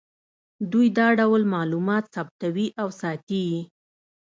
دوی دا ټول معلومات ثبتوي او ساتي یې